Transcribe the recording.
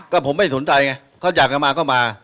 ก็ผมไม่สนใจไงเขาอยากจะมาก็มา